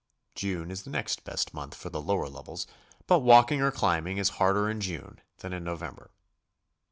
June is the next best month for the lower levels, but walking or clim'bing is harder in June than in November.